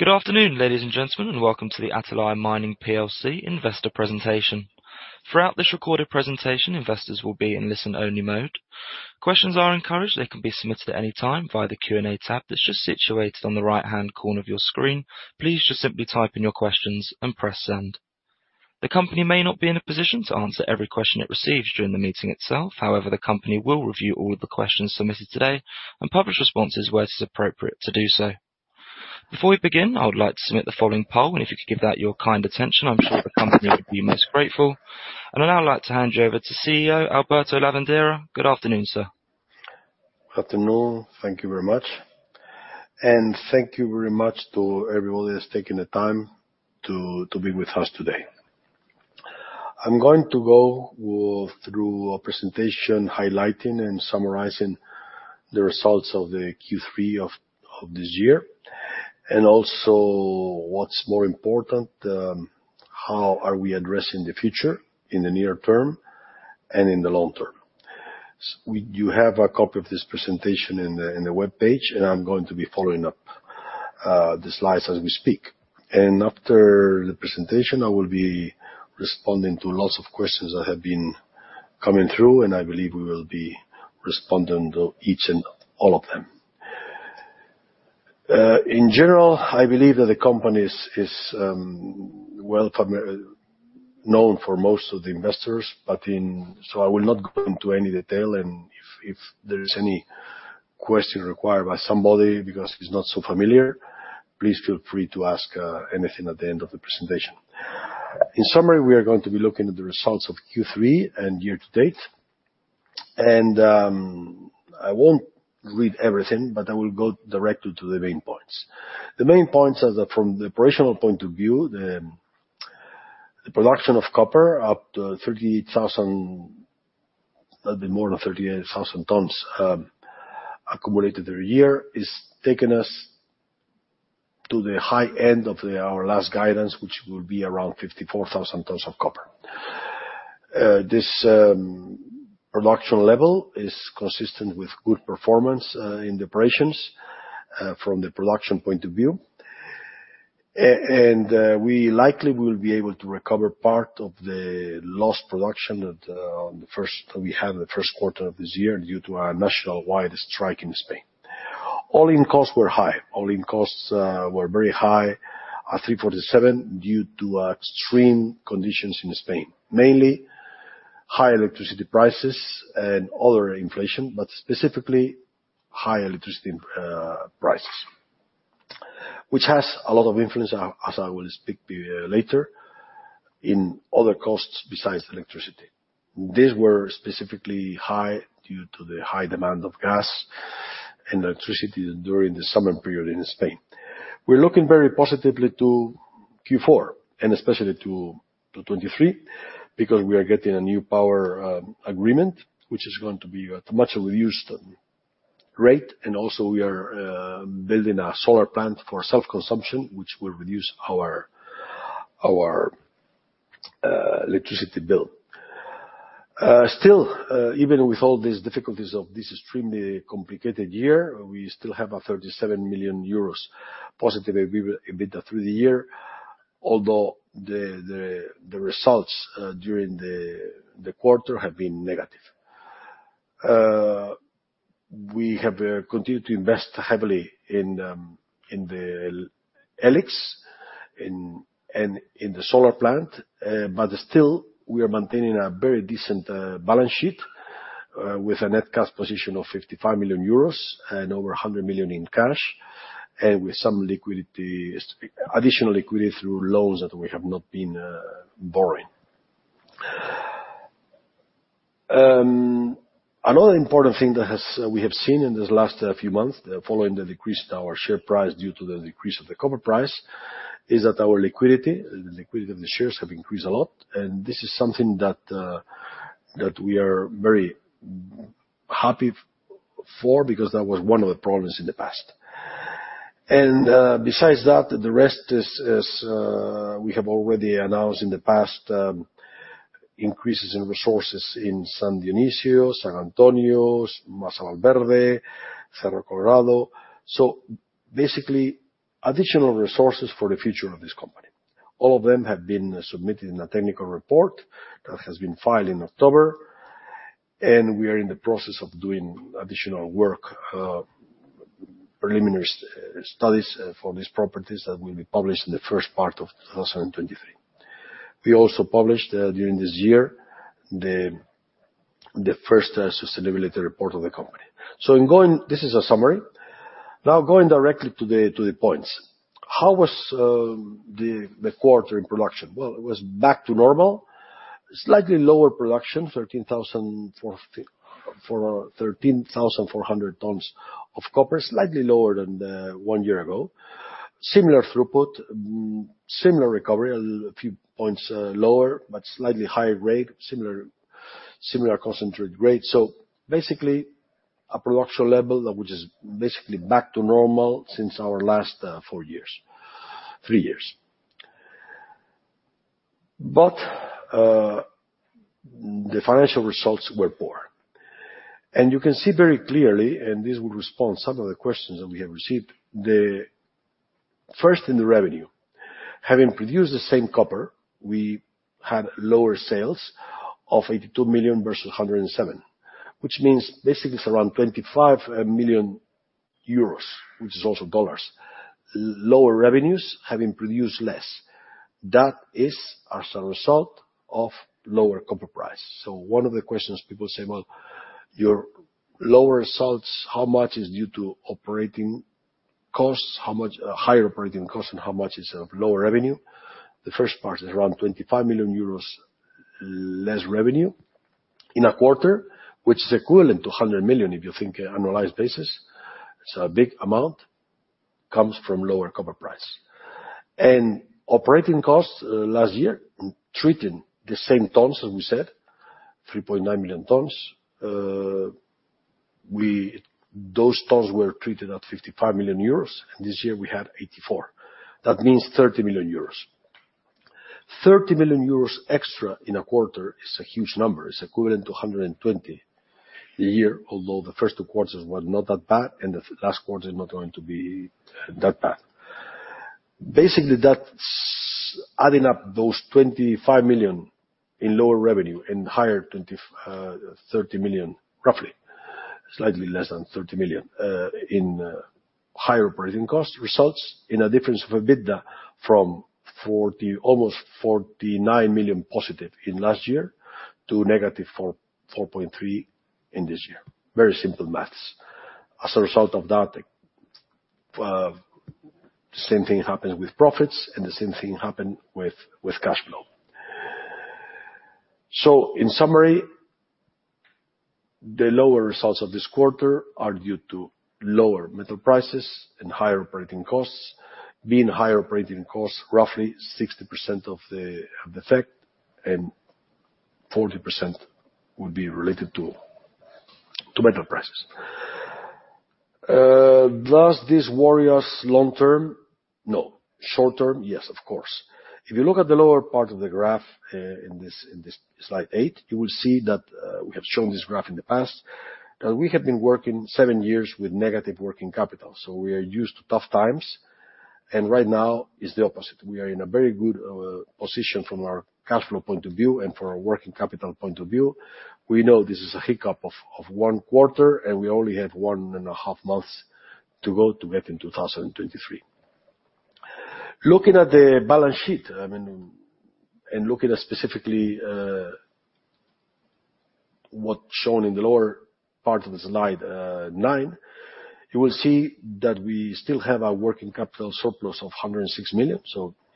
Good afternoon, ladies and gentlemen, and welcome to the Atalaya Mining PLC Investor Presentation. Throughout this recorded presentation, investors will be in listen-only mode. Questions are encouraged. They can be submitted at any time via the Q&A tab that's just situated on the right-hand corner of your screen. Please just simply type in your questions and press send. The company may not be in a position to answer every question it receives during the meeting itself. However, the company will review all of the questions submitted today and publish responses where it is appropriate to do so. Before we begin, I would like to submit the following poll, and if you could give that your kind attention, I'm sure the company would be most grateful. I'd now like to hand you over to CEO Alberto Lavandeira. Good afternoon, sir. Good afternoon. Thank you very much. Thank you very much to everybody that's taking the time to be with us today. I'm going to go through a presentation highlighting and summarizing the results of the Q3 of this year, and also what's more important, how are we addressing the future in the near term and in the long term. You have a copy of this presentation in the webpage, and I'm going to be following the slides as we speak. After the presentation, I will be responding to lots of questions that have been coming through, and I believe we will be responding to each and all of them. In general, I believe that the company is well known for most of the investors, but I will not go into any detail. If there is any question required by somebody because it's not so familiar, please feel free to ask anything at the end of the presentation. In summary, we are going to be looking at the results of Q3 and year to date. I won't read everything, but I will go directly to the main points. The main points are that from the operational point of view, the production of copper up to 30,000, a bit more than 38,000 tons, accumulated a year, is taking us to the high end of our last guidance, which will be around 54,000 tons of copper. This production level is consistent with good performance in the operations from the production point of view. We likely will be able to recover part of the lost production that we had in the Q1 of this year due to a nationwide strike in Spain. All-in costs were very high at $3.47 due to extreme conditions in Spain, mainly high electricity prices and other inflation, but specifically high electricity prices, which has a lot of influence, as I will speak to you later, in other costs besides electricity. These were specifically high due to the high demand of gas and electricity during the summer period in Spain. We're looking very positively to Q4 and especially to 2023, because we are getting a new power agreement, which is going to be at a much reduced rate. We are building a solar plant for self-consumption, which will reduce our electricity bill. Still, even with all these difficulties of this extremely complicated year, we still have 37 million euros positive EBITDA through the year, although the results during the quarter have been negative. We have continued to invest heavily in the E-LIX and in the solar plant. Still, we are maintaining a very decent balance sheet with a net cash position of 55 million euros and over 100 million in cash, and with some additional liquidity through loans that we have not been borrowing. Another important thing we have seen in this last few months, following the decrease to our share price due to the decrease of the copper price, is that our liquidity, the liquidity of the shares have increased a lot. This is something that we are very happy for because that was one of the problems in the past. Besides that, the rest is we have already announced in the past, increases in resources in San Dionisio, San Antonio, Masa Valverde, Cerro Colorado. Basically, additional resources for the future of this company. All of them have been submitted in a technical report that has been filed in October, and we are in the process of doing additional work, preliminary studies, for these properties that will be published in the first part of 2023. We also published during this year the first sustainability report of the company. Now going directly to the points. How was the quarter in production? Well, it was back to normal. Slightly lower production, 13,400 tons of copper, slightly lower than one year ago. Similar throughput, similar recovery, a few points lower, but slightly higher grade, similar concentrate grade. So basically a production level which is basically back to normal since our last four years, three years. The financial results were poor. You can see very clearly, and this will respond some of the questions that we have received. First, in the revenue. Having produced the same copper, we had lower sales of 82 million versus 107 million, which means basically it's around 25 million euros, which is also dollars. Lower revenues having produced less. That is as a result of lower copper price. One of the questions people say, "Well, your lower results, how much is due to operating costs? How much higher operating costs and how much is of lower revenue?" The first part is around 25 million euros less revenue in a quarter, which is equivalent to 100 million if you think annualized basis. It's a big amount, comes from lower copper price. Operating costs last year, treating the same tons as we said, 3.9 million tons. Those tons were treated at 55 million euros, and this year we had 84 million. That means 30 million euros. 30 million euros extra in a quarter is a huge number. It's equivalent to 120 a year, although the first two quarters were not that bad, and the last quarter is not going to be that bad. Basically, that's adding up those 25 million in lower revenue and higher 30 million, roughly, slightly less than 30 million in higher operating costs, results in a difference of EBITDA from almost 49 million positive in last year to negative 4.3 in this year. Very simple math. As a result of that, the same thing happened with profits and the same thing happened with cash flow. In summary, the lower results of this quarter are due to lower metal prices and higher operating costs. Being higher operating costs, roughly 60% of the effect and 40% would be related to metal prices. Does this worry us long-term? No. Short-term? Yes, of course. If you look at the lower part of the graph in this slide eight, you will see that we have shown this graph in the past, that we have been working seven years with negative working capital, so we are used to tough times. Right now is the opposite. We are in a very good position from our cash flow point of view and from our working capital point of view. We know this is a hiccup of one quarter, and we only have one and a half months to go to get in 2023. Looking at the balance sheet, I mean, and looking at specifically, what's shown in the lower part of the slide nine, you will see that we still have our working capital surplus of 106 million.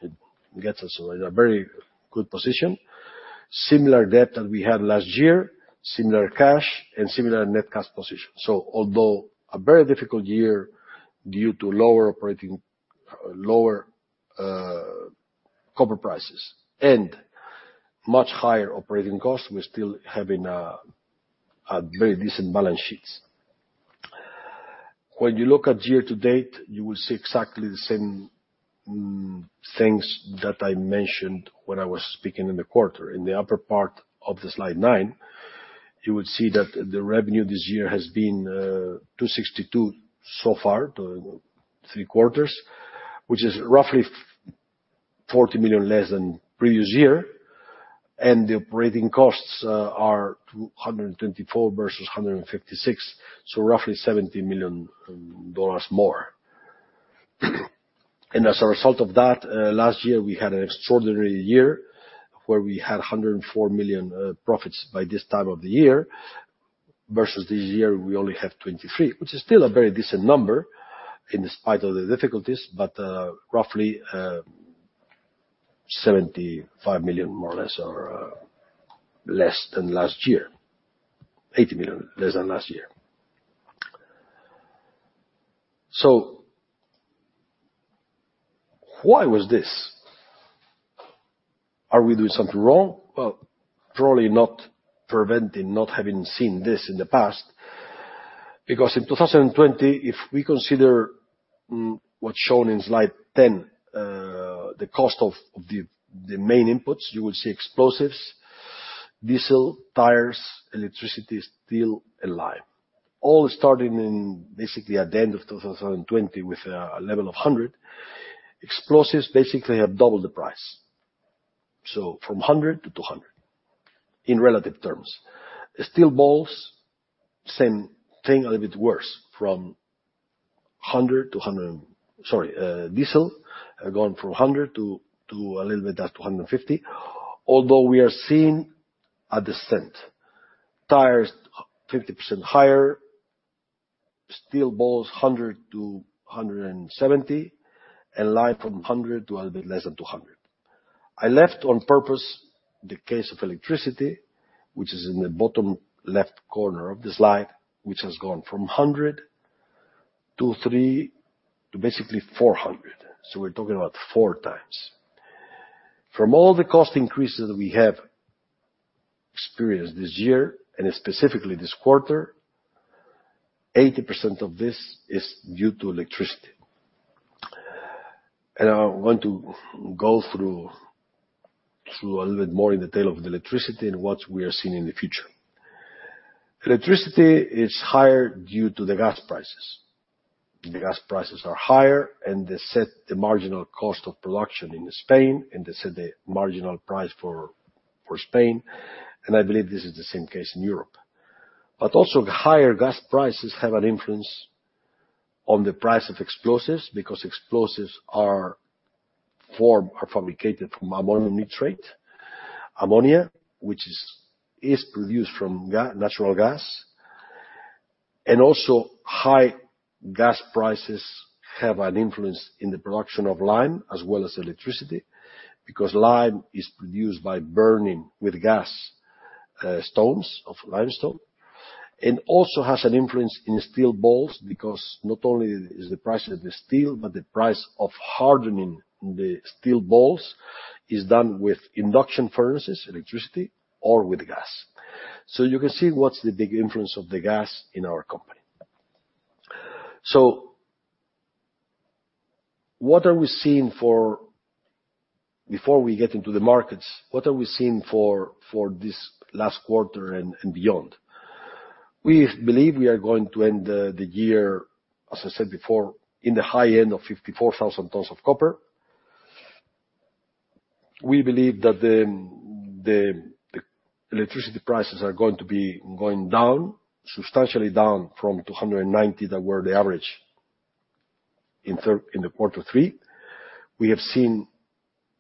It gets us in a very good position. Similar debt that we had last year, similar cash and similar net cash position. Although a very difficult year due to lower copper prices and much higher operating costs, we're still having a very decent balance sheets. When you look at year to date, you will see exactly the same things that I mentioned when I was speaking in the quarter. In the upper part of the slide nine, you would see that the revenue this year has been 262 so far, to three quarters, which is roughly 40 million less than previous year. The operating costs are 224 versus 156, so roughly EUR 70 million more. As a result of that, last year we had an extraordinary year where we had 104 million profits by this time of the year, versus this year we only have 23 million, which is still a very decent number in spite of the difficulties, but roughly $75 million, more or less, or less than last year. 80 million less than last year. Why was this? Are we doing something wrong? Well, probably not preventing not having seen this in the past. Because in 2020, if we consider what's shown in slide 10, the cost of the main inputs, you will see explosives, diesel, tires, electricity, steel and lime. All starting basically at the end of 2020 with a level of 100. Explosives basically have doubled the price. From 100 to 200 in relative terms. Steel balls, same thing, a little bit worse. Diesel have gone from 100 to a little bit less than 150. Although we are seeing a descent. Tires, 50% higher. Steel balls, 100 to 170. Lime from 100 to a little bit less than 200. I left on purpose the case of electricity, which is in the bottom left corner of the slide, which has gone from 100 to 300 to basically 400. We're talking about 4x. From all the cost increases we have experienced this year, and specifically this quarter, 80% of this is due to electricity. I want to go through a little bit more in the detail of electricity and what we are seeing in the future. Electricity is higher due to the gas prices. The gas prices are higher, and they set the marginal cost of production in Spain, and they set the marginal price for Spain, and I believe this is the same case in Europe. But also, the higher gas prices have an influence on the price of explosives because explosives are fabricated from ammonium nitrate, ammonia, which is produced from natural gas. High gas prices have an influence in the production of lime as well as electricity, because lime is produced by burning with gas, stones of limestone. Also has an influence in steel balls, because not only is the price of the steel, but the price of hardening the steel balls is done with induction furnaces, electricity, or with gas. You can see what's the big influence of the gas in our company. Before we get into the markets, what are we seeing for this last quarter and beyond? We believe we are going to end the year, as I said before, in the high end of 54,000 tons of copper. We believe that the electricity prices are going to be going down, substantially down from 290, that were the average in quarter three. We have seen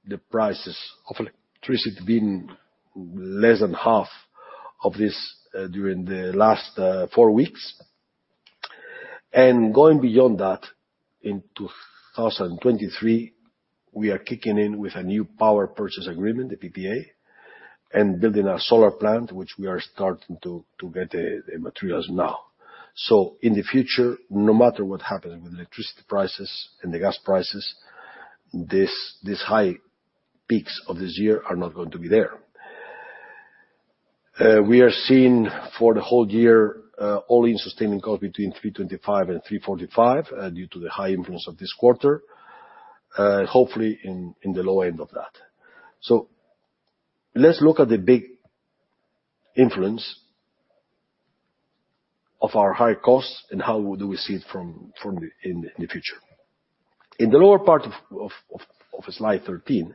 the prices of electricity being less than half of this during the last four weeks. Going beyond that, in 2023, we are kicking in with a new power purchase agreement, the PPA, and building a solar plant, which we are starting to get the materials now. In the future, no matter what happens with electricity prices and the gas prices, this high peaks of this year are not going to be there. We are seeing for the whole year, all-in sustaining cost between $3.25 and $3.45, due to the high influence of this quarter, hopefully in the low end of that. Let's look at the big influence of our high costs and how do we see it from the in the future. In the lower part of slide 13,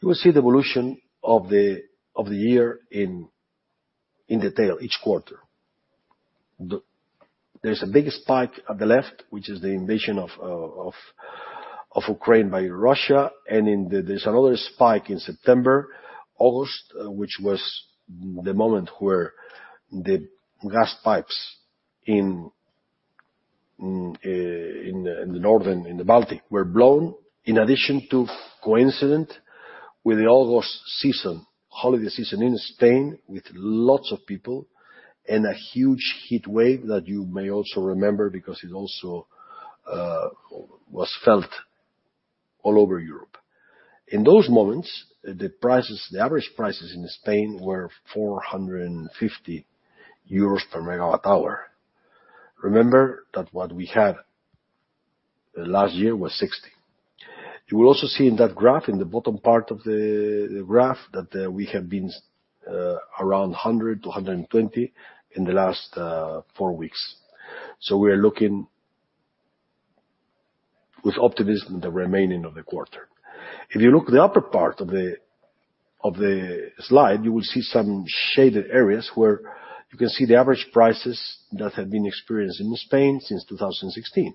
you will see the evolution of the year in detail each quarter. There's a big spike at the left, which is the invasion of Ukraine by Russia. There's another spike in September, August, which was the moment where the gas pipes in the northern Baltic were blown, in addition to coincident with the August season, holiday season in Spain, with lots of people and a huge heat wave that you may also remember because it also was felt all over Europe. In those moments, the average prices in Spain were 450 euros per MWh. Remember that what we had last year was 60. You will also see in that graph, in the bottom part of the graph, that we have been around 100 to 120 in the last four weeks. We are looking with optimism the remaining of the quarter. If you look at the upper part of the slide, you will see some shaded areas where you can see the average prices that have been experienced in Spain since 2016.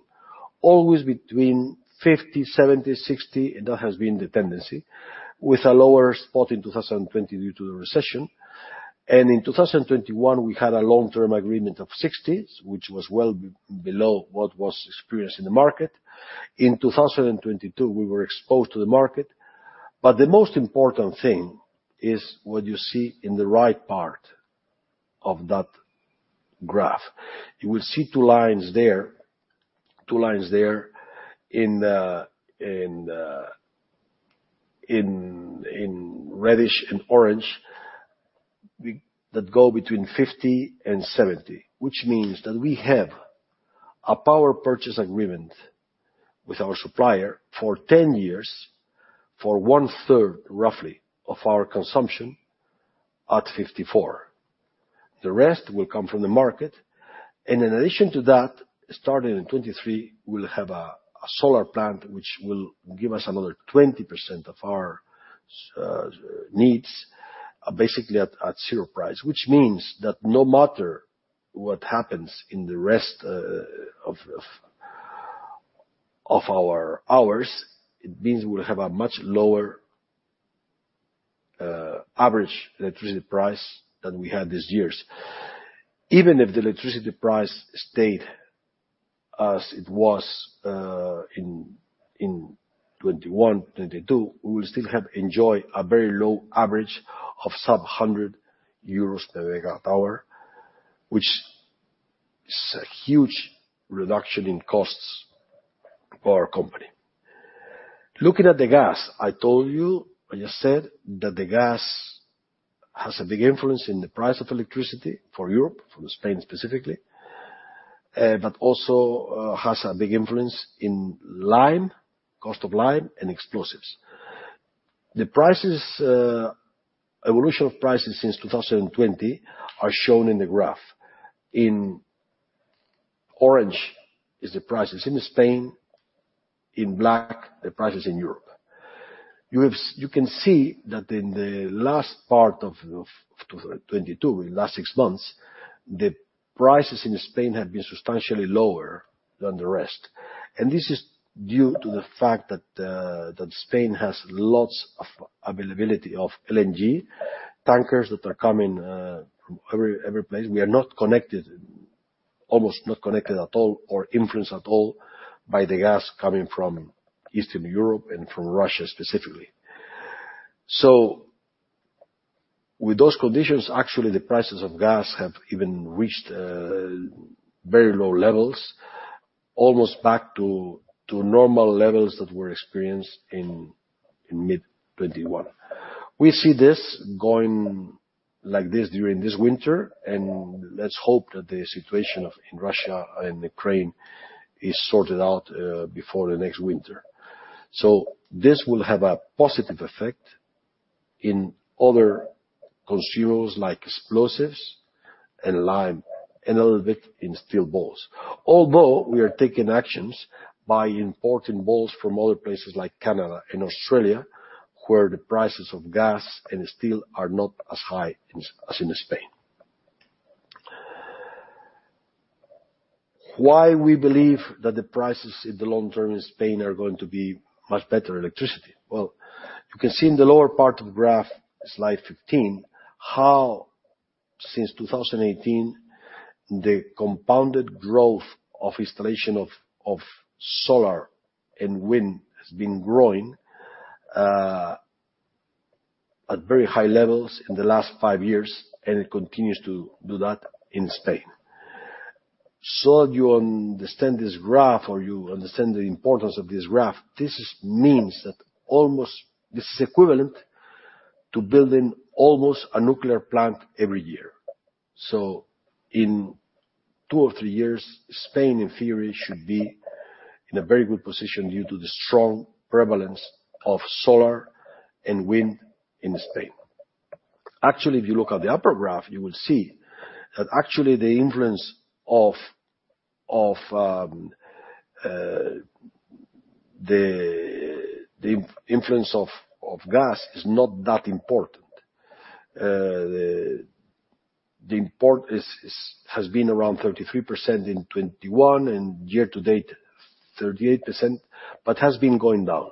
Always between 50, 70, 60, and that has been the tendency, with a lower spot in 2020 due to the recession. In 2021, we had a long-term agreement of 60s, which was well below what was experienced in the market. In 2022, we were exposed to the market. The most important thing is what you see in the right part of that graph. You will see two lines there in reddish and orange that go between 50 and 70, which means that we have a power purchase agreement with our supplier for 10 years for one-third, roughly, of our consumption at 54. The rest will come from the market. In addition to that, starting in 2023, we'll have a solar plant which will give us another 20% of our needs, basically at zero price. Which means that no matter what happens in the rest of our hours, it means we'll have a much lower average electricity price than we had these years. Even if the electricity price stayed as it was in 2021-2022, we will still have enjoyed a very low average of sub EUR 100 MWh, which is a huge reduction in costs for our company. Looking at the gas, I told you, I just said that the gas has a big influence in the price of electricity for Europe, for Spain specifically, but also has a big influence in the cost of lime and explosives. The evolution of prices since 2020 are shown in the graph. In orange is the prices in Spain. In black, the prices in Europe. You can see that in the last part of 2022, in last six months, the prices in Spain have been substantially lower than the rest. This is due to the fact that Spain has lots of availability of LNG tankers that are coming from every place. We are not connected, almost not connected at all, or influenced at all by the gas coming from Eastern Europe and from Russia specifically. With those conditions, actually the prices of gas have even reached very low levels, almost back to normal levels that were experienced in mid-2021. We see this going like this during this winter, and let's hope that the situation in Russia and Ukraine is sorted out before the next winter. This will have a positive effect in other consumers like explosives and lime, and a little bit in steel balls. Although we are taking actions by importing balls from other places like Canada and Australia, where the prices of gas and steel are not as high as in Spain. Why we believe that the prices in the long term in Spain are going to be much better electricity? Well, you can see in the lower part of the graph, slide 15, how since 2018, the compounded growth of installation of solar and wind has been growing at very high levels in the last five years, and it continues to do that in Spain. That you understand this graph, or you understand the importance of this graph, this means that this is equivalent to building almost a nuclear plant every year. In two or three years, Spain in theory should be in a very good position due to the strong prevalence of solar and wind in Spain. Actually, if you look at the upper graph, you will see that actually the influence of gas is not that important. The import has been around 33% in 2021 and year to date, 38%, but has been going down.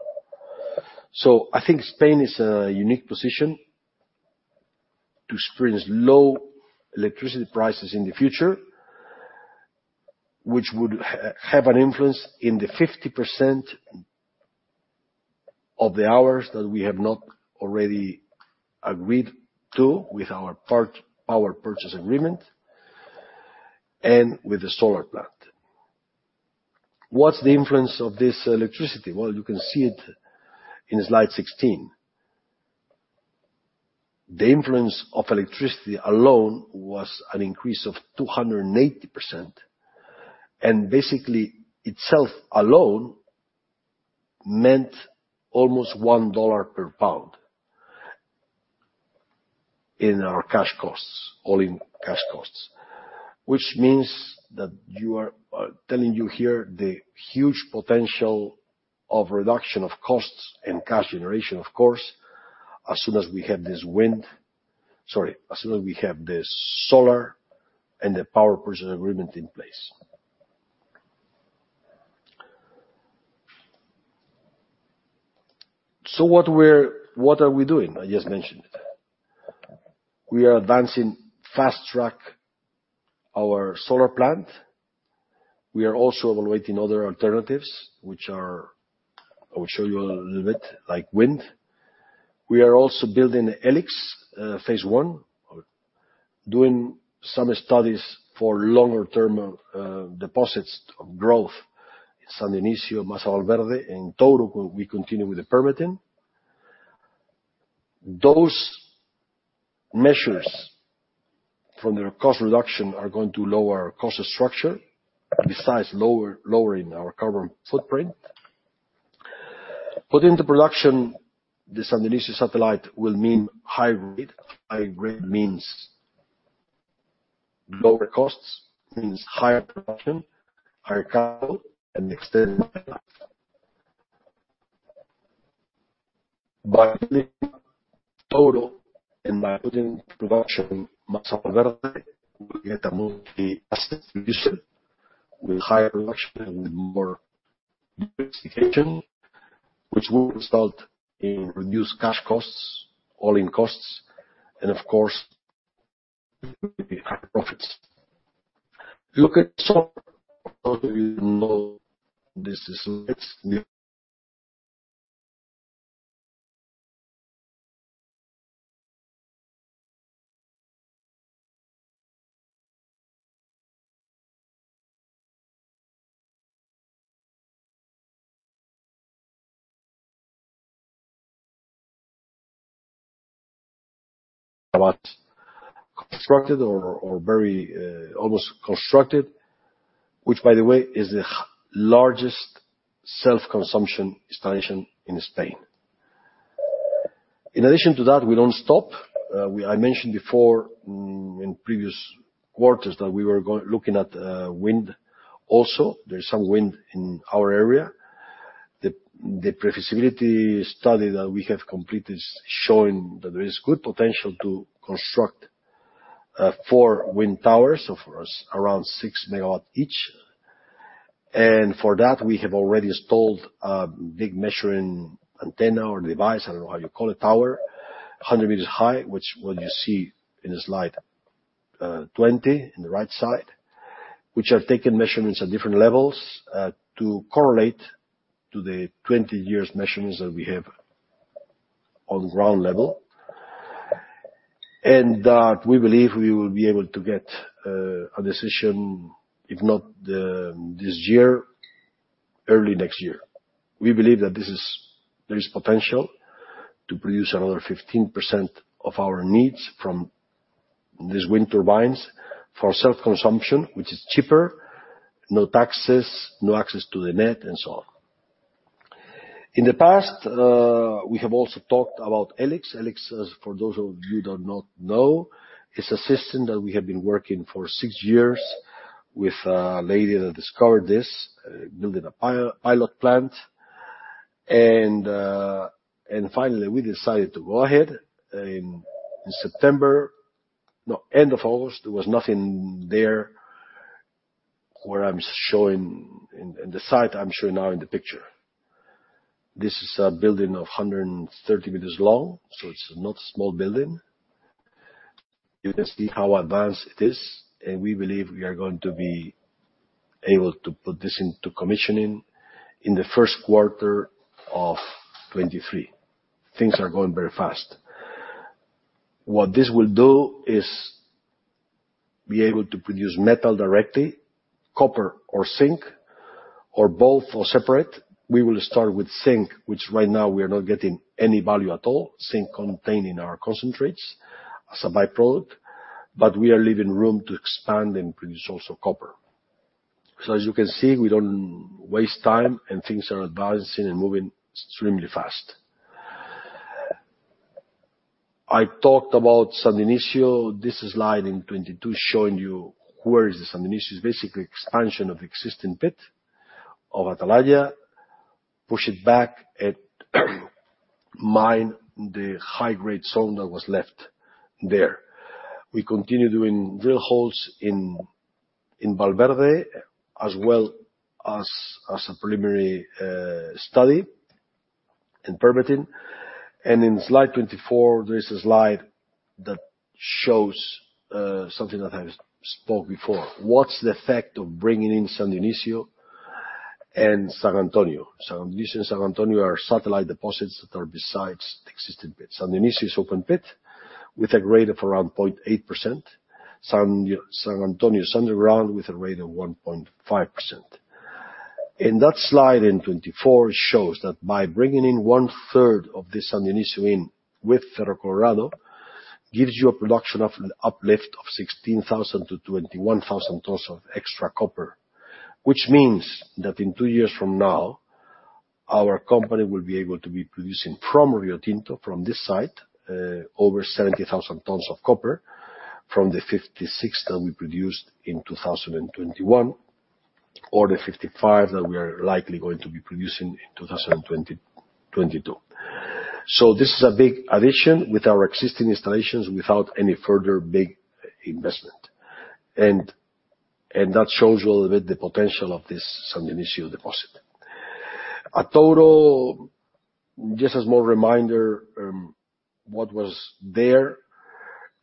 I think Spain is a unique position to experience low electricity prices in the future, which would have an influence in the 50% of the hours that we have not already agreed to with our PPA, power purchase agreement and with the solar plant. What's the influence of this electricity? Well, you can see it in slide 16. The influence of electricity alone was an increase of 280%. Basically itself alone meant almost $1 per pound in our cash costs, all in cash costs. Which means that you're seeing here, the huge potential of reduction of costs and cash generation, of course, as soon as we have this wind. Sorry. As soon as we have this solar and the power purchase agreement in place. What are we doing? I just mentioned it. We are advancing fast-track our solar plant. We are also evaluating other alternatives, which are. I will show you a little bit, like wind. We are also building E-LIX, phase one. Doing some studies for longer-term deposits of growth, San Dionisio, Masa Valverde. In Touro, we continue with the permitting. Those measures from the cost reduction are going to lower our cost structure, besides lowering our carbon footprint. Putting into production the San Dionisio satellite will mean higher rate. Higher rate means lower costs, means higher production, higher capital, and extended life. By building Touro and by putting production in Masa Valverde, we get a multi-asset solution with higher production and more diversification, which will result in reduced cash costs, all-in costs and of course, higher profits. If you look at solar, this is already constructed or very almost constructed, which by the way is the largest self-consumption installation in Spain. In addition to that, we don't stop. I mentioned before in previous quarters that we were looking at wind also. There's some wind in our area. The pre-feasibility study that we have completed is showing that there is good potential to construct four wind towers, of course around 6MW each. For that, we have already installed a big measuring antenna or device, I don't know how you call it, tower. 100 meters high, which you see in slide 20 on the right side. Which have taken measurements at different levels to correlate to the 20 years measurements that we have on ground level. That we believe we will be able to get a decision, if not this year, early next year. We believe that there is potential to produce another 15% of our needs from these wind turbines for self-consumption, which is cheaper, no taxes, no access to the net and so on. In the past, we have also talked about E-LIX. E-LIX, as for those of you who do not know, is a system that we have been working for six years with a lady that discovered this, building a pilot plant. Finally we decided to go ahead, in September. No, end of August, there was nothing there where I'm showing in the site I'm showing now in the picture. This is a building of 130 meters long, so it's not small building. You can see how advanced it is, and we believe we are going to be able to put this into commissioning in the first quarter of 2023. Things are going very fast. What this will do is be able to produce metal directly, copper or zinc, or both or separate. We will start with zinc, which right now we are not getting any value at all. Zinc contained in our concentrates as a byproduct, but we are leaving room to expand and produce also copper. As you can see, we don't waste time and things are advancing and moving extremely fast. I talked about San Dionisio. This slide in 22 showing you where is the San Dionisio. Is basically expansion of existing pit of Atalaya. Push it back and mine the high-grade zone that was left there. We continue doing drill holes in Masa Valverde as well as a preliminary study in permitting. In slide 24, there is a slide that shows something that I spoke before. What's the effect of bringing in San Dionisio and San Antonio? San Dionisio and San Antonio are satellite deposits that are beside the existing pits. San Dionisio is open pit with a grade of around 0.8%. San Antonio is underground with a grade of 1.5%. In that slide in 24, it shows that by bringing in one-third of this San Dionisio in with Cerro Colorado, gives you a production of an uplift of 16,000 to 21,000 tons of extra copper. Which means that in two years from now, our company will be able to be producing from Rio Tinto, from this site, over 70,000 tons of copper from the 56,000 that we produced in 2021, or the 55,000 that we are likely going to be producing in 2022. This is a big addition with our existing installations without any further big investment. And that shows you a little bit the potential of this San Dionisio deposit. Touro, just as a reminder, what was there.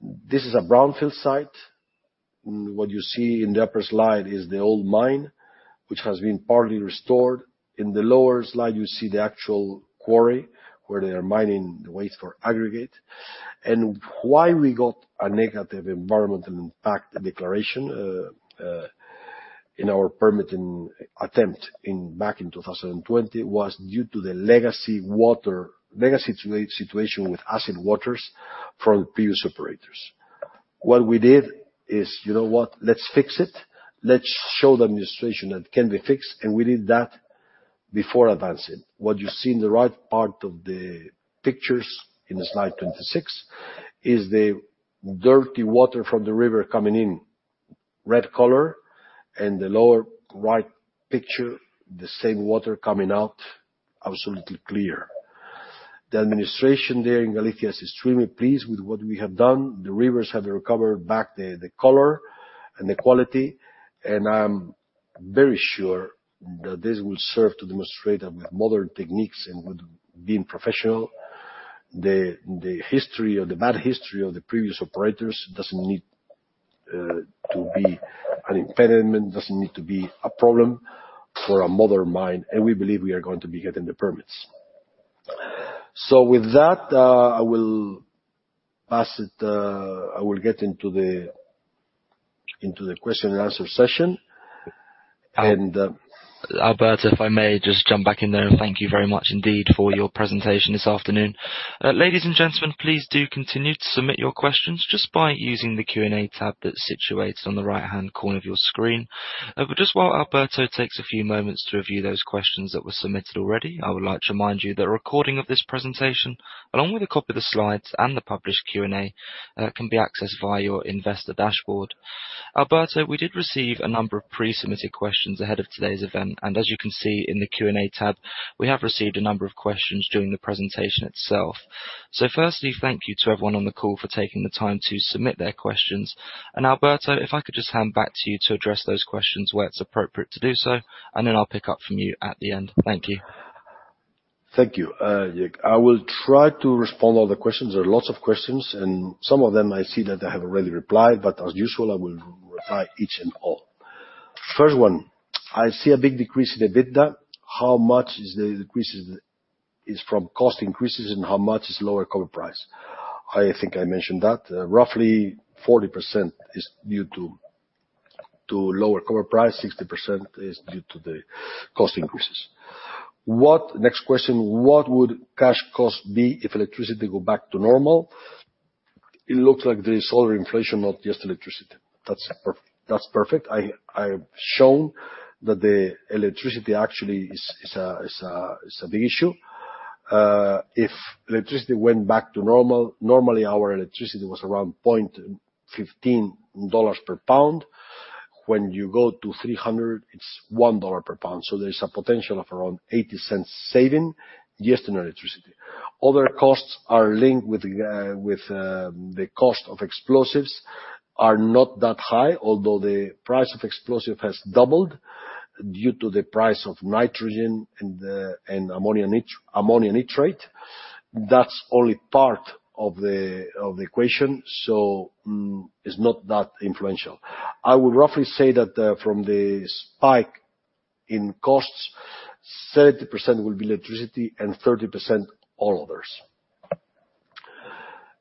This is a brownfield site. What you see in the upper slide is the old mine, which has been partly restored. In the lower slide, you see the actual quarry where they are mining the waste for aggregate. Why we got a negative environmental impact declaration in our permitting attempt back in 2020 was due to the legacy situation with acid waters from previous operators. What we did is, "You know what? Let's fix it. Let's show the administration that it can be fixed." We did that before advancing. What you see in the right part of the pictures in slide 26 is the dirty water from the river coming in red color. The lower right picture, the same water coming out absolutely clear. The administration there in Galicia is extremely pleased with what we have done. The rivers have recovered back the color and the quality, and I'm very sure that this will serve to demonstrate that with modern techniques and with being professional, the history or the bad history of the previous operators doesn't need to be an impediment, doesn't need to be a problem for a modern mine. We believe we are going to be getting the permits. With that, I will get into the question-and-answer session. Alberto, if I may just jump back in there. Thank you very much indeed for your presentation this afternoon. Ladies and gentlemen, please do continue to submit your questions just by using the Q&A tab that's situated on the right-hand corner of your screen. Just while Alberto takes a few moments to review those questions that were submitted already, I would like to remind you that a recording of this presentation, along with a copy of the slides and the published Q&A, can be accessed via your investor dashboard. Alberto, we did receive a number of pre-submitted questions ahead of today's event, and as you can see in the Q&A tab, we have received a number of questions during the presentation itself. Firstly, thank you to everyone on the call for taking the time to submit their questions. Alberto, if I could just hand back to you to address those questions where it's appropriate to do so, and then I'll pick up from you at the end. Thank you. Thank you, Joe. I will try to respond all the questions. There are lots of questions, and some of them I see that I have already replied, but as usual, I will reply each and all. First one, I see a big decrease in EBITDA. How much is the decreases is from cost increases, and how much is lower copper price? I think I mentioned that. Roughly 40% is due to lower copper price, 60% is due to the cost increases. Next question, what would cash costs be if electricity go back to normal? It looks like there is other inflation, not just electricity. That's perfect. I shown that the electricity actually is a big issue. If electricity went back to normal, normally, our electricity was around $0.15 per pound. When you go to 300, it's $1 per pound. There is a potential of around $0.80 saving, yes, in electricity. Other costs are linked with the cost of explosives are not that high. Although the price of explosive has doubled due to the price of nitrogen and ammonium nitrate. That's only part of the equation. It's not that influential. I would roughly say that from the spike in costs, 30% will be electricity and 30% all others.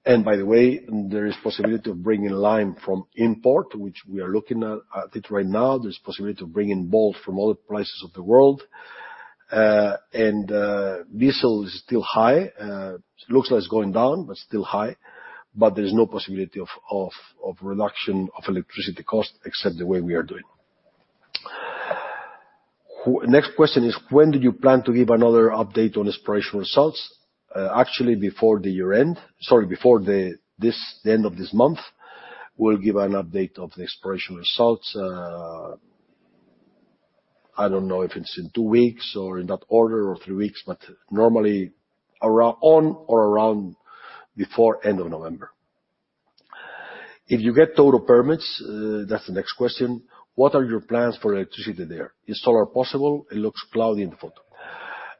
By the way, there is possibility of bringing lime from import, which we are looking at it right now. There's possibility of bringing bolt from other places of the world. Diesel is still high. It looks like it's going down, but still high. There is no possibility of reduction of electricity cost except the way we are doing. Next question is, when did you plan to give another update on exploration results? Actually before the end of this month, we'll give an update of the exploration results. I don't know if it's in two weeks or in that order or three weeks, but normally around on or around before end of November. If you get total permits, that's the next question, what are your plans for electricity there? Is solar possible? It looks cloudy in the photo.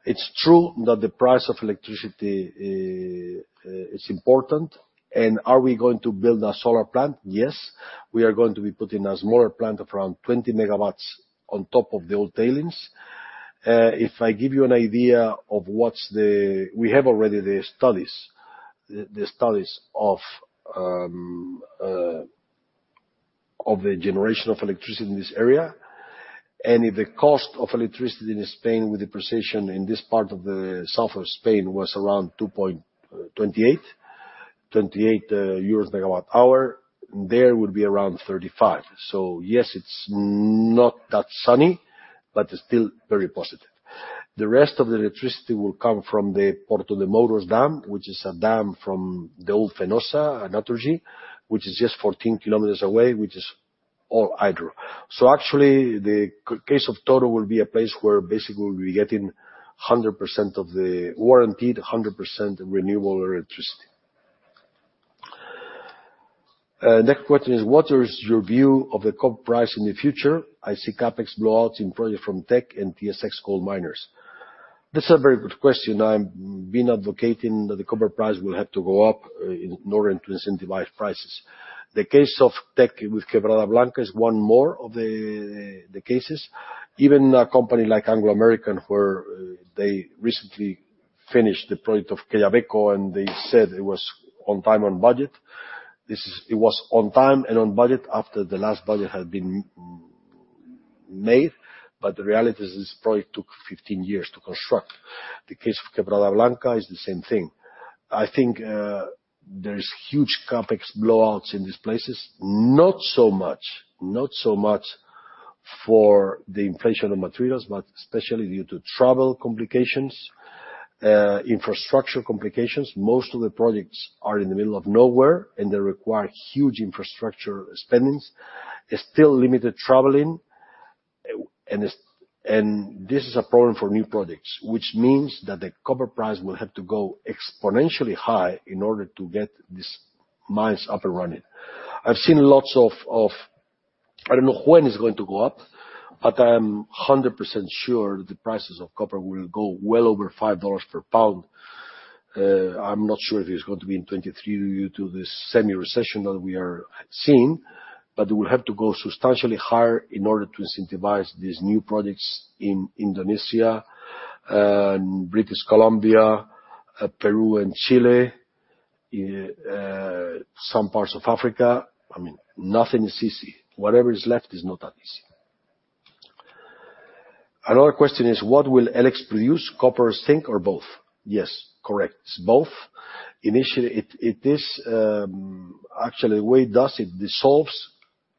It's true that the price of electricity is important. Are we going to build a solar plant? Yes. We are going to be putting a smaller plant of around 20MW on top of the old tailings. We have already the studies of the generation of electricity in this area. If the cost of electricity in Spain, the price in this part of the south of Spain, was around 28 euros MWh, there would be around 35 MWh. Yes, it's not that sunny, but it's still very positive. The rest of the electricity will come from the Portodemouros dam, which is a dam from the old Unión Fenosa, Naturgy, which is just 14 kilometers away, which is all hydro. Actually the case of Touro will be a place where basically we'll be getting 100% of the warranted 100% renewable electricity. Next question is, what is your view of the copper price in the future? I see CapEx blowouts in project from Teck and TSX coal miners. That's a very good question. I've been advocating that the copper price will have to go up in order to incentivize prices. The case of Teck with Quebrada Blanca is one more of the cases. Even a company like Anglo American, where they recently finished the project of Quellaveco, and they said it was on time, on budget. It was on time and on budget after the last budget had been made, but the reality is this project took 15 years to construct. The case of Quebrada Blanca is the same thing. I think there is huge CapEx blowouts in these places. Not so much for the inflation of materials, but especially due to travel complications, infrastructure complications. Most of the projects are in the middle of nowhere, and they require huge infrastructure spending. It's still limited traveling, and this is a problem for new projects, which means that the copper price will have to go exponentially high in order to get these mines up and running. I've seen lots. I don't know when it's going to go up, but I'm 100% sure the prices of copper will go well over $5 per pound. I'm not sure if it's going to be in 2023 due to the semi-recession that we are seeing. It will have to go substantially higher in order to incentivize these new projects in Indonesia, in British Columbia, Peru and Chile, some parts of Africa. I mean, nothing is easy. Whatever is left is not that easy. Another question is, "What will E-LIX produce, copper, zinc, or both?" Yes, correct. It's both. Initially, it is actually it dissolves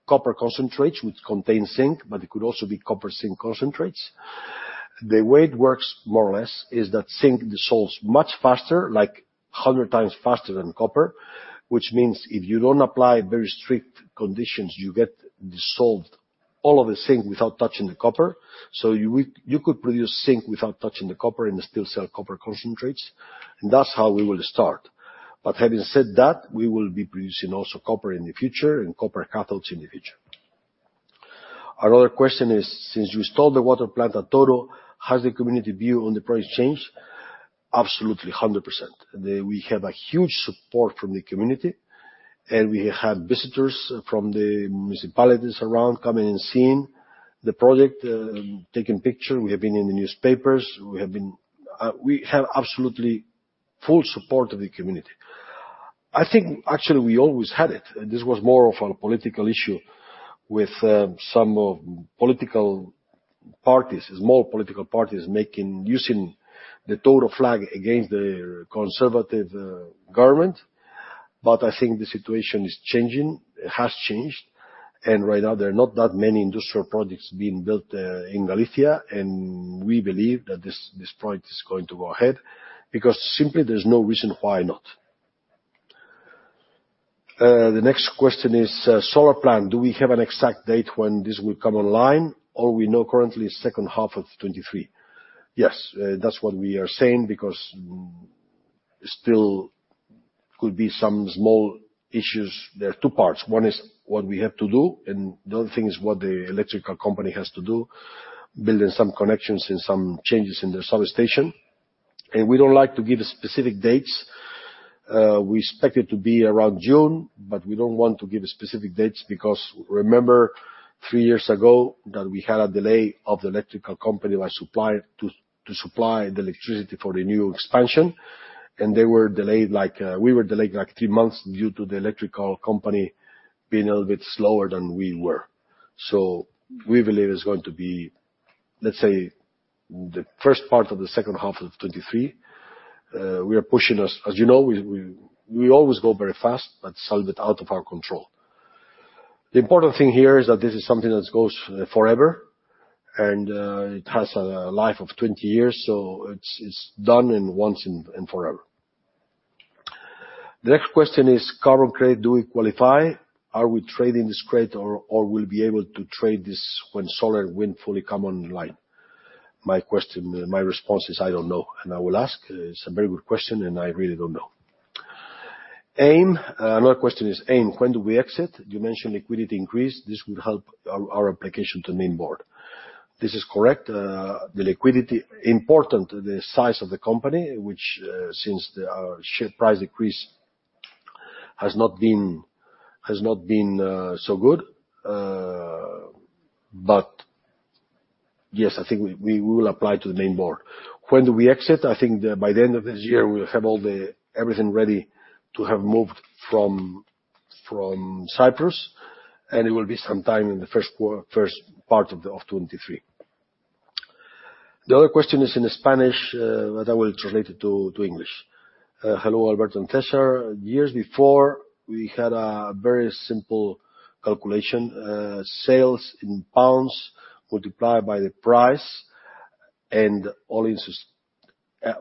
copper concentrates which contain zinc, but it could also be copper zinc concentrates. The way it works, more or less, is that zinc dissolves much faster, like 100x faster than copper, which means if you don't apply very strict conditions, you get dissolved all of the zinc without touching the copper. You could produce zinc without touching the copper and still sell copper concentrates, and that's how we will start. But having said that, we will be producing also copper in the future and copper cathodes in the future. Another question is, "Since you installed the water plant at Touro, has the community view on the project changed?" Absolutely, 100%. We have a huge support from the community, and we have visitors from the municipalities around coming and seeing the project, taking pictures. We have been in the newspapers. We have been. We have absolutely full support of the community. I think actually we always had it, and this was more of a political issue with some political parties, small political parties making use of the Touro flag against the conservative government. I think the situation is changing. It has changed. Right now there are not that many industrial projects being built in Galicia, and we believe that this project is going to go ahead because simply there's no reason why not. The next question is, "Solar plant. Do we have an exact date when this will come online? All we know currently is second half of 2023. Yes, that's what we are saying because still could be some small issues. There are two parts. One is what we have to do, and the other thing is what the electrical company has to do, building some connections and some changes in their solar station. We don't like to give specific dates. We expect it to be around June, but we don't want to give specific dates because remember three years ago that we had a delay of the electrical company to supply the electricity for the new expansion. We were delayed like three months due to the electrical company being a little bit slower than we were. We believe it's going to be, let's say, the first part of the second half of 2023. We are pushing as you know, we always go very fast, but it's a little bit out of our control. The important thing here is that this is something that goes forever and it has a life of 20 years, so it's done and once and forever. The next question is carbon credit, do we qualify? Are we trading this credit or we'll be able to trade this when solar and wind fully come online? My response is, I don't know, and I will ask. It's a very good question, and I really don't know. AIM. Another question is AIM, when do we exit? You mentioned liquidity increase. This would help our application to the main board. This is correct. The liquidity important the size of the company, which, since our share price increase has not been so good. Yes, I think we will apply to the main board. When do we exit? I think by the end of this year, we'll have everything ready to have moved from Cyprus, and it will be some time in the first part of 2023. The other question is in Spanish, but I will translate it to English. "Hello, Alberto and César. Years before, we had a very simple calculation, sales in pounds multiplied by the price and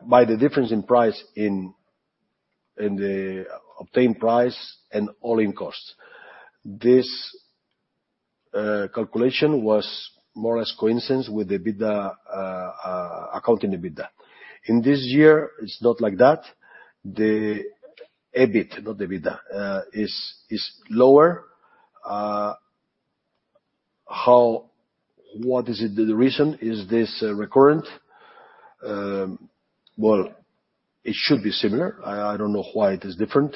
by the difference in price, in the obtained price and all-in sustaining costs. This calculation was more or less coincided with the EBITDA, accounting EBITDA. In this year, it's not like that. The EBIT, not the EBITDA, is lower. What is it? The reason? Is this recurrent? Well, it should be similar. I don't know why it is different.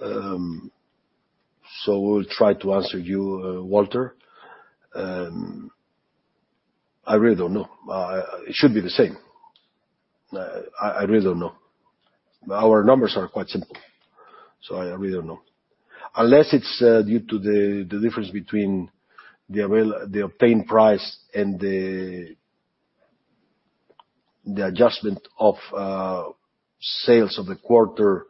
We'll try to answer you, Walter. I really don't know. It should be the same. I really don't know. Our numbers are quite simple, so I really don't know. Unless it's due to the difference between the obtained price and the adjustment of sales of the quarter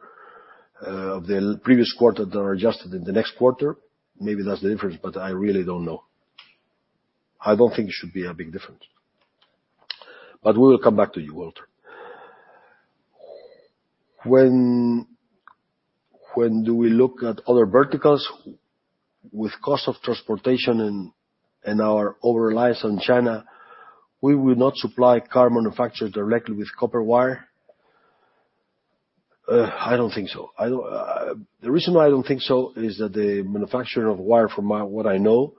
of the previous quarter that are adjusted in the next quarter. Maybe that's the difference, but I really don't know. I don't think it should be a big difference. We will come back to you, Walter. When do we look at other verticals with cost of transportation and our over-reliance on China, we will not supply car manufacturers directly with copper wire. I don't think so. The reason why I don't think so is that the manufacturer of wire, from what I know,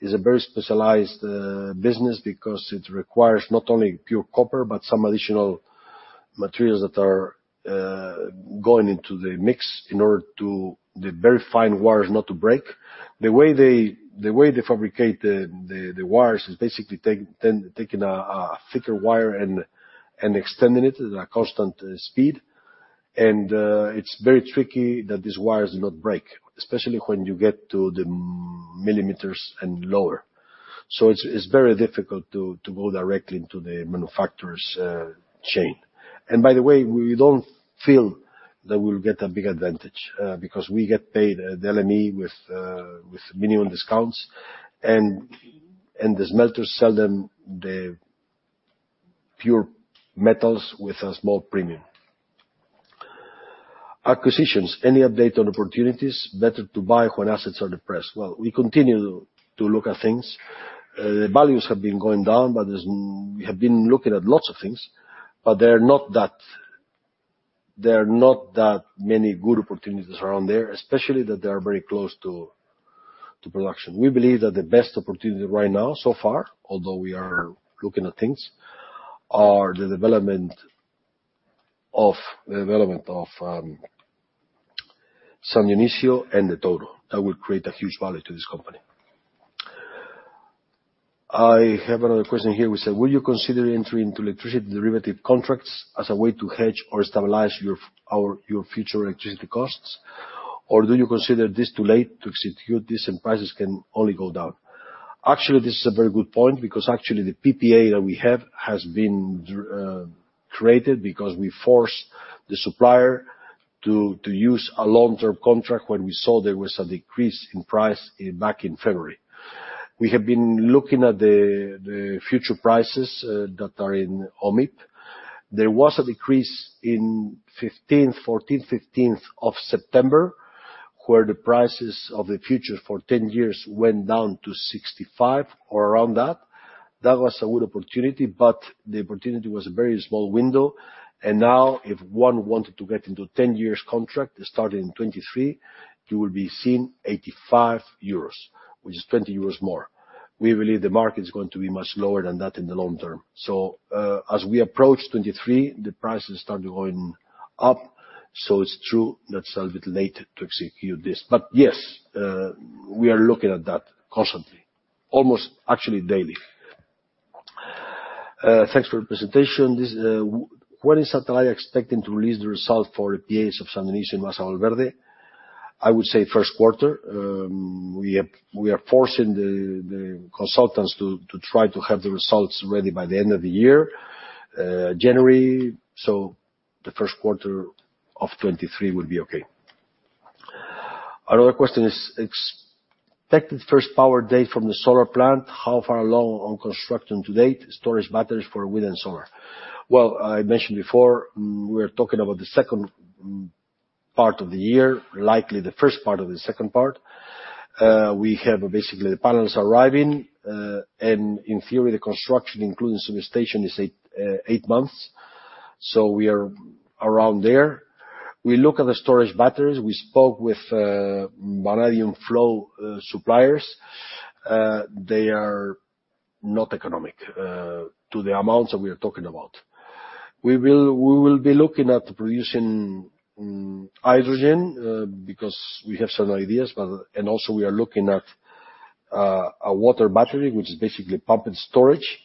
is a very specialized business because it requires not only pure copper, but some additional materials that are going into the mix in order to the very fine wires not to break. The way they fabricate the wires is basically taking a thicker wire and extending it at a constant speed. It's very tricky that these wires not break, especially when you get to the millimeters and lower. It's very difficult to go directly into the manufacturer's chain. By the way, we don't feel that we'll get a big advantage, because we get paid the LME with minimum discounts and the smelters sell them the pure metals with a small premium. Acquisitions. Any update on opportunities? Better to buy when assets are depressed? Well, we continue to look at things. The values have been going down, but we have been looking at lots of things, but they're not that many good opportunities around there, especially that they are very close to production. We believe that the best opportunity right now so far, although we are looking at things, are the development of San Ignacio and Touro. That will create a huge value to this company. I have another question here, which says: Will you consider entering into electricity derivative contracts as a way to hedge or stabilize your your future electricity costs? Or do you consider this too late to execute this and prices can only go down? Actually, this is a very good point because actually the PPA that we have has been created because we forced the supplier to use a long-term contract when we saw there was a decrease in price back in February. We have been looking at the future prices that are in OMIP. There was a decrease in fifteenth, fourteenth, fifteenth of September, where the prices of the future for 10 years went down to 65 or around that. That was a good opportunity, but the opportunity was a very small window. Now if one wanted to get into 10 year contract starting in 2023, you will be seeing 85 euros, which is 20 euros more. We believe the market is going to be much lower than that in the long term. As we approach 2023, the prices start going up. It's true that it's a little bit late to execute this. But yes, we are looking at that constantly, almost actually daily. Thanks for the presentation. When is Atalaya expecting to release the result for PEAs of San Ignacio and Masa Valverde? I would say first quarter. We have, we are forcing the consultants to try to have the results ready by the end of the year, January. The first quarter of 2023 will be okay. Another question is: expected first power date from the solar plant, how far along on construction to date, storage batteries for wind and solar? Well, I mentioned before, we're talking about the second part of the year, likely the first part or the second part. We have basically the panels arriving, and in theory, the construction, including substation, is eight months. So we are around there. We look at the storage batteries. We spoke with vanadium flow suppliers. They are not economic to the amounts that we are talking about. We will be looking at producing hydrogen because we have some ideas, but. Also we are looking at a water battery, which is basically pump and storage.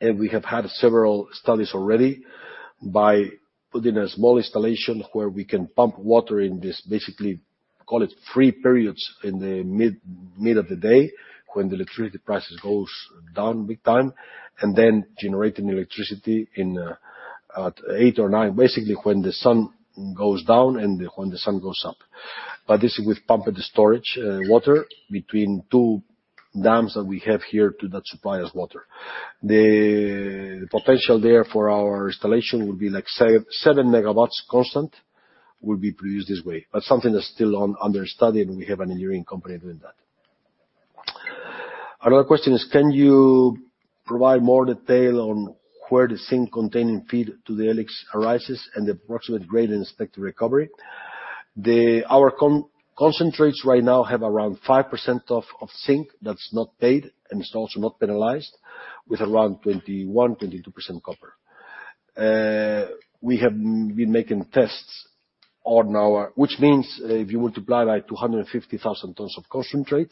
We have had several studies already by putting a small installation where we can pump water in this, basically, call it free periods in the mid of the day when the electricity prices goes down big time, and then generating electricity in at eight or nine, basically when the sun goes down and when the sun goes up. This is with pump and storage water between two dams that we have here, two that supply us water. The potential there for our installation would be like 7MW constant will be produced this way. Something that's still under study, and we have an engineering company doing that. Another question is: Can you provide more detail on where the zinc-containing feed to the E-LIX arises and the approximate grade and expected recovery? Our concentrates right now have around 5% of zinc that's not paid and it's also not penalized with around 21%-22% copper. We have been making tests on our which means if you multiply by 250,000 tons of concentrate,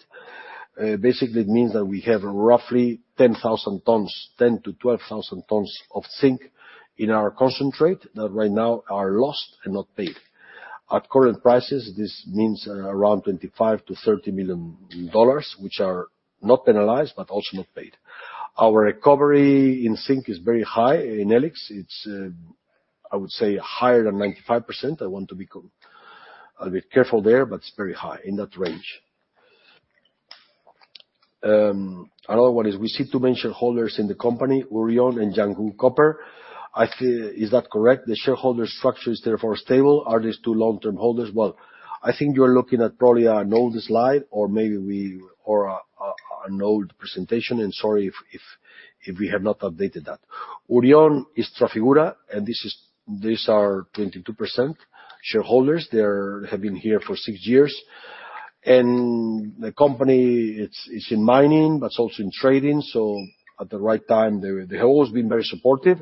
basically it means that we have roughly 10,000 tons, 10,000 to 12,000 tons of zinc in our concentrate that right now are lost and not paid. At current prices, this means around $25 million to $30 million, which are not penalized but also not paid. Our recovery in zinc is very high. In E-LIX, it's I would say higher than 95%. I want to be a little bit careful there, but it's very high, in that range. Another one is. We see two main shareholders in the company, Orion and Jiangxi Copper. Is that correct? The shareholder structure is therefore stable. Are these two long-term holders? Well, I think you're looking at probably an older slide or maybe an old presentation, and sorry if we have not updated that. Orion is Trafigura, and these are 22% shareholders. They have been here for six years. The company, it's in mining, but it's also in trading. At the right time, they have always been very supportive.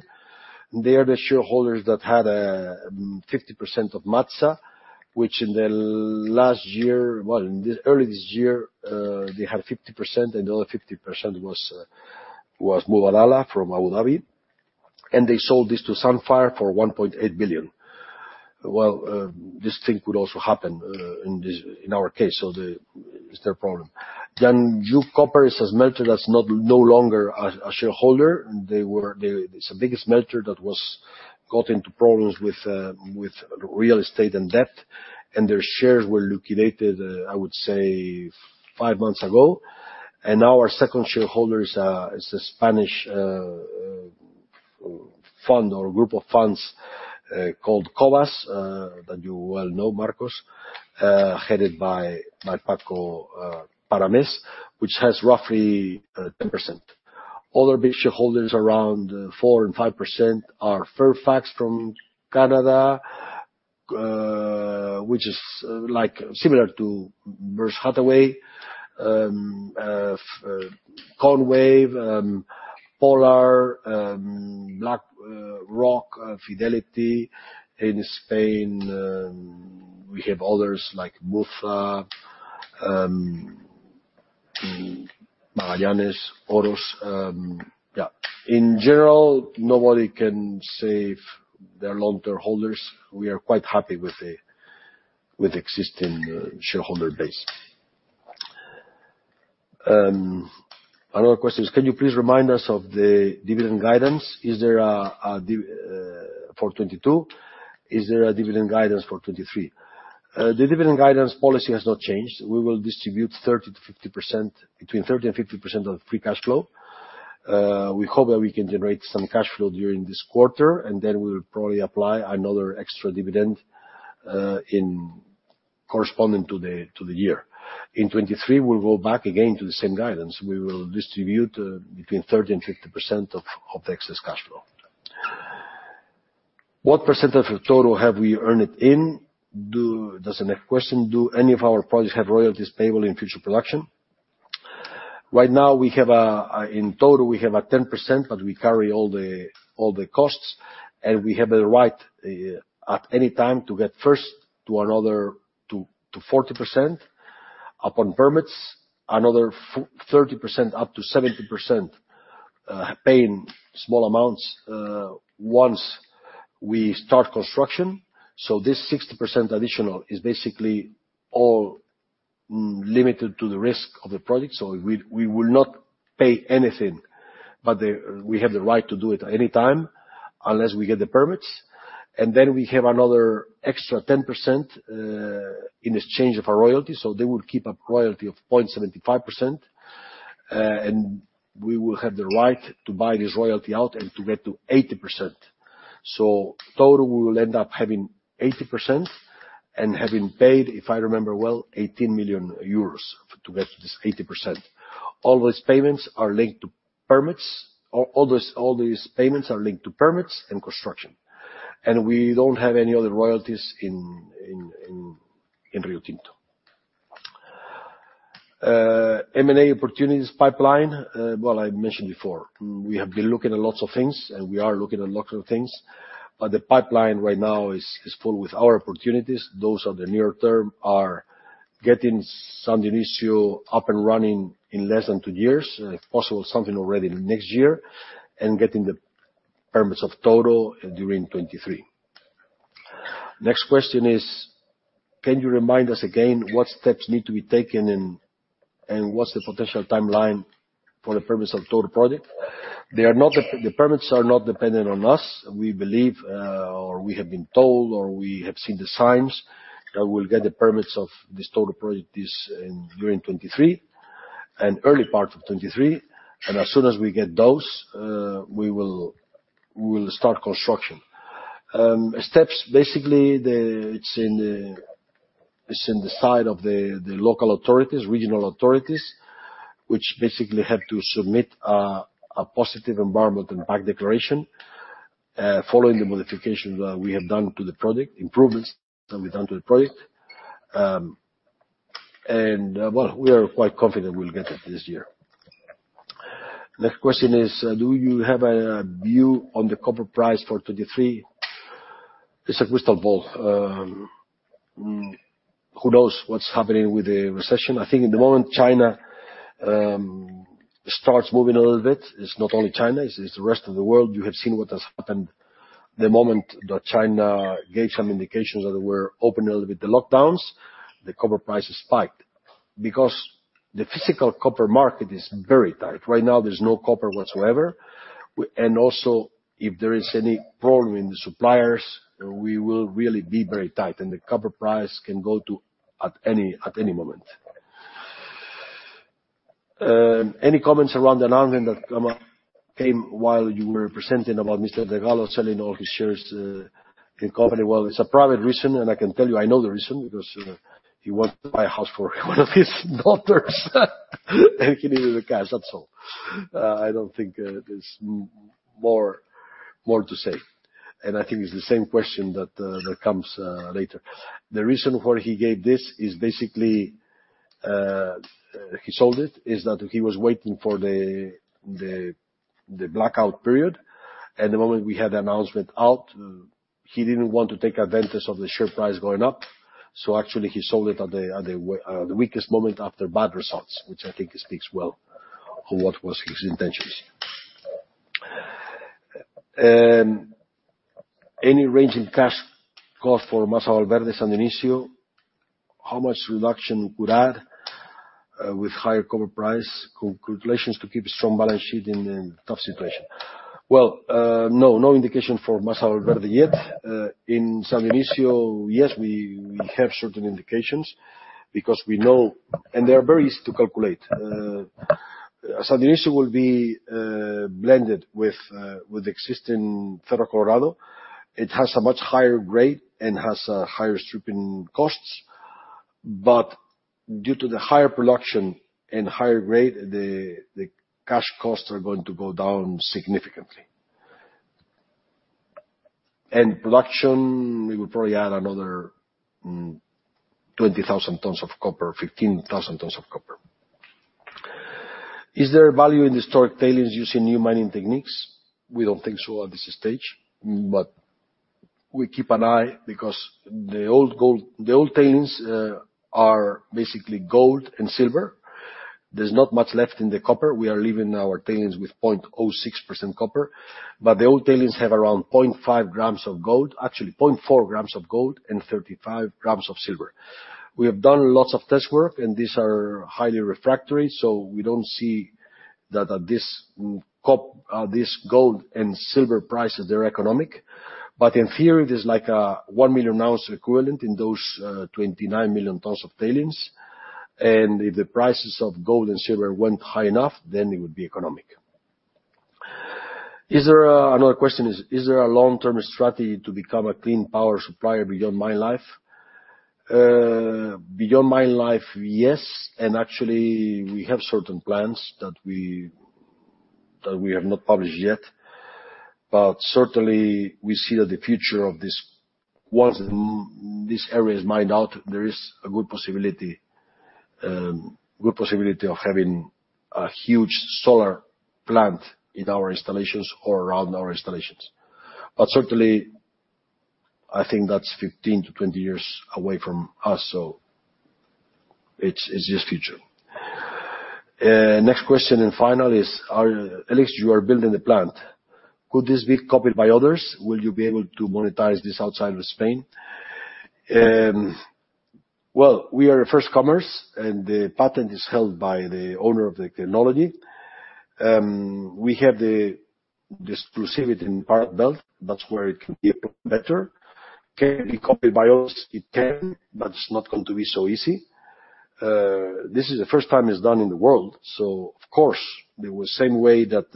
They are the shareholders that had 50% of MATSA. Early this year, they had 50%, and the other 50% was Mubadala from Abu Dhabi, and they sold this to Sandfire for 1.8 billion. Well, this thing could also happen in our case. It's their problem. Jiangxi Copper is a smelter that's no longer a shareholder. They were. It's the biggest smelter that got into problems with real estate and debt, and their shares were liquidated, I would say five months ago. Now our second shareholder is a Spanish fund or group of funds called Cobas that you well know, Marcus, headed by Paco Paramés, which has roughly 10%. Other big shareholders, around 4% and 5%, are Fairfax from Canada, which is, like, similar to Berkshire Hathaway. Konwave, Polar, BlackRock, Fidelity. In Spain, we have others like Mutua, Magallanes, Orion. In general, nobody can say if they're long-term holders. We are quite happy with the existing shareholder base. Another question is, can you please remind us of the dividend guidance? Is there a dividend for 2022? Is there a dividend guidance for 2023? The dividend guidance policy has not changed. We will distribute 30% to 50%, between 30% and 50% of free cash flow. We hope that we can generate some cash flow during this quarter, and then we will probably apply another extra dividend in corresponding to the year. In 2023, we'll go back again to the same guidance. We will distribute between 30% and 50% of the excess cash flow. What percentage of total have we earned it in? That's the next question. Do any of our projects have royalties payable in future production? Right now we have. In total we have 10%, but we carry all the costs, and we have a right at any time to get to 40% upon permits, another 30% up to 70%, paying small amounts once we start construction. This 60% additional is basically all limited to the risk of the project. We will not pay anything, but we have the right to do it at any time unless we get the permits. Then we have another extra 10% in exchange of our royalty, so they will keep a royalty of 0.75%, and we will have the right to buy this royalty out and to get to 80%. Total, we will end up having 80% and having paid, if I remember well, 18 million euros to get to this 80%. All these payments are linked to permits. All these payments are linked to permits and construction. We don't have any other royalties in Rio Tinto. M&A opportunities pipeline. Well, I mentioned before, we have been looking at lots of things, and we are looking at lots of things, but the pipeline right now is full with our opportunities. Those of the near term are getting San Dionisio up and running in less than two years. If possible, something already next year, and getting the permits for Touro during 2023. Next question is, can you remind us again what steps need to be taken and what's the potential timeline for the permits for Touro project? The permits are not dependent on us. We believe, or we have been told, or we have seen the signs that we'll get the permits of this total project during 2023 and early part of 2023. As soon as we get those, we will start construction. It's in the side of the local authorities, regional authorities, which basically have to submit a positive environmental impact declaration, following the modifications that we have done to the project, improvements that we've done to the project. Well, we are quite confident we'll get it this year. Next question is, do you have a view on the copper price for 2023? It's a crystal ball. Who knows what's happening with the recession? I think at the moment, China starts moving a little bit. It's not only China, it's the rest of the world. You have seen what has happened the moment that China gave some indications that they were open a little bit the lockdowns. The copper price has spiked because the physical copper market is very tight. Right now, there's no copper whatsoever. Also, if there is any problem in the suppliers, we will really be very tight, and the copper price can go to at any moment. Any comments around the announcement that came while you were presenting about Mr. de Gallo selling all his shares in company? Well, it's a private reason, and I can tell you I know the reason because he wants to buy a house for one of his daughters, and he needed the cash, that's all. I don't think there's more to say. I think it's the same question that comes later. The reason for he gave this is basically he sold it is that he was waiting for the blackout period. The moment we had the announcement out, he didn't want to take advantage of the share price going up. Actually, he sold it at the weakest moment after bad results, which I think speaks well on what was his intentions. Any range in cash cost for Masa Valverde, San Dionisio, how much reduction could add with higher copper price. Calculations to keep a strong balance sheet in a tough situation. No indication for Masa Valverde yet. In San Dionisio, yes, we have certain indications because we know. They are very easy to calculate. San Dionisio will be blended with existing Cerro Colorado. It has a much higher grade and has higher stripping costs. But due to the higher production and higher grade, the cash costs are going to go down significantly. Production, we will probably add another 20,000 tons of copper, 15,000 tons of copper. Is there value in historic tailings using new mining techniques? We don't think so at this stage, but we keep an eye because the old tailings are basically gold and silver. There's not much left in the copper. We are leaving our tailings with 0.06% copper. But the old tailings have around 0.4 grams of gold and 35 grams of silver. We have done lots of test work, and these are highly refractory, so we don't see that this gold and silver prices, they're economic. In theory, there's 1 million ounces equivalent in those 29 million tons of tailings. If the prices of gold and silver went high enough, then it would be economic. Another question is there a long-term strategy to become a clean power supplier beyond mine life? Beyond mine life, yes. Actually we have certain plans that we have not published yet, but certainly we see that the future of this once this area is mined out, there is a good possibility of having a huge solar plant in our installations or around our installations. I think that's 15 to 20 years away from us, so it's just future. Next question and final is, E-LIX, you are building the plant. Could this be copied by others? Will you be able to monetize this outside of Spain? Well, we are first comers, and the patent is held by the owner of the technology. We have the exclusivity in the Iberian Pyrite Belt. That's where it can be applied better. Can it be copied by others? It can, but it's not going to be so easy. This is the first time it's done in the world, so of course the same way that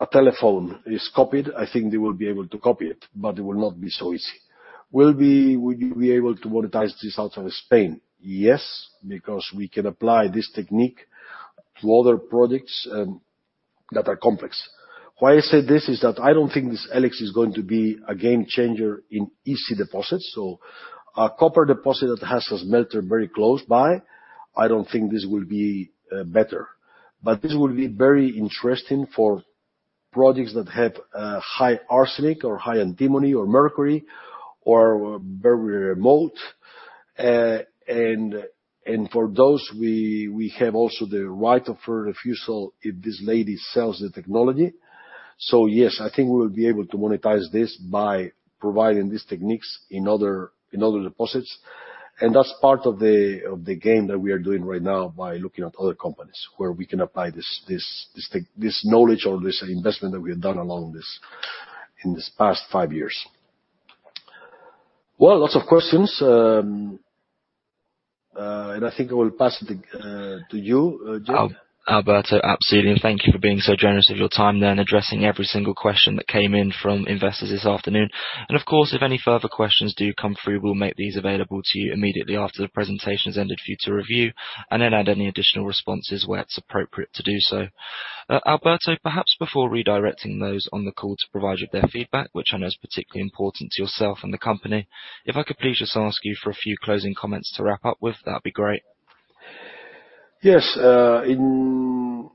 a telephone is copied, I think they will be able to copy it, but it will not be so easy. Will we be able to monetize this outside of Spain? Yes, because we can apply this technique to other products that are complex. Why I say this is that I don't think this E-LIX is going to be a game changer in easy deposits. A copper deposit that has a smelter very close by, I don't think this will be better. This will be very interesting for products that have high arsenic or high antimony or mercury or are very remote. For those, we have also the right of refusal if this lady sells the technology. Yes, I think we will be able to monetize this by providing these techniques in other deposits. That's part of the game that we are doing right now by looking at other companies where we can apply this knowledge or this investment that we have done along this in this past five years. Well, lots of questions. I think I will pass it to you, Joe. Alberto, absolutely. Thank you for being so generous with your time then, addressing every single question that came in from investors this afternoon. Of course, if any further questions do come through, we'll make these available to you immediately after the presentation has ended for you to review, and then add any additional responses where it's appropriate to do so. Alberto, perhaps before redirecting those on the call to provide you their feedback, which I know is particularly important to yourself and the company, if I could please just ask you for a few closing comments to wrap up with, that'd be great. Yes.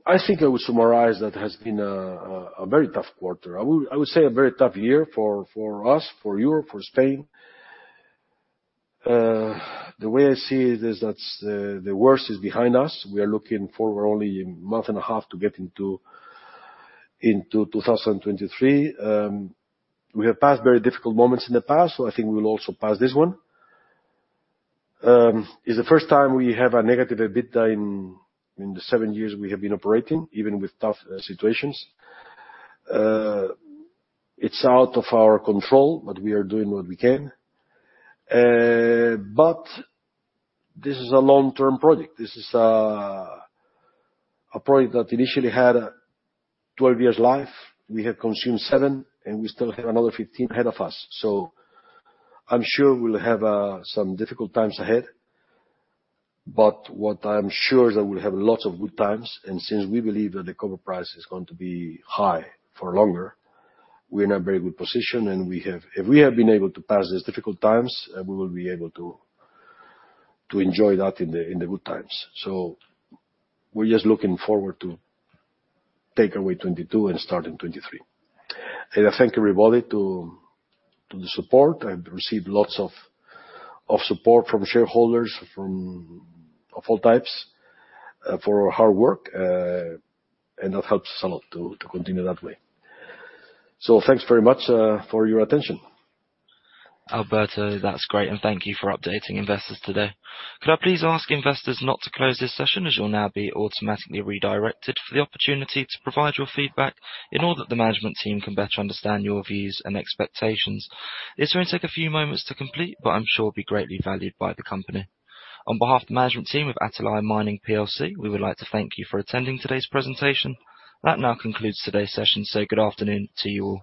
I think I would summarize that it has been a very tough quarter. I would say a very tough year for us, for Europe, for Spain. The way I see it is that the worst is behind us. We are looking forward only a month and a half to get into 2023. We have passed very difficult moments in the past, so I think we will also pass this one. It is the first time we have a negative EBITDA in the seven years we have been operating, even with tough situations. It is out of our control, but we are doing what we can. This is a long-term project. This is a project that initially had 12 years life. We have consumed seven, and we still have another 15 ahead of us. I'm sure we'll have some difficult times ahead. What I'm sure is that we'll have lots of good times. Since we believe that the copper price is going to be high for longer, we're in a very good position. If we have been able to pass these difficult times, we will be able to enjoy that in the good times. We're just looking forward to take away 2022 and start in 2023. I thank everybody to the support. I've received lots of support from shareholders of all types for our hard work, and that helps us a lot to continue that way. Thanks very much for your attention. Alberto, that's great. Thank you for updating investors today. Could I please ask investors not to close this session, as you'll now be automatically redirected for the opportunity to provide your feedback in order that the management team can better understand your views and expectations. It's gonna take a few moments to complete, but I'm sure it'll be greatly valued by the company. On behalf of the management team of Atalaya Mining PLC, we would like to thank you for attending today's presentation. That now concludes today's session, so good afternoon to you all.